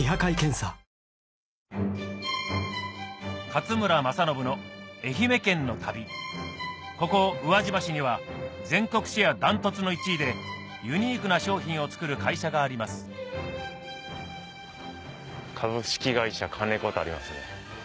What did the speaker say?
勝村政信の愛媛県の旅ここ宇和島市には全国シェア断トツの１位でユニークな商品を作る会社があります「株式会社カネコ」とありますね。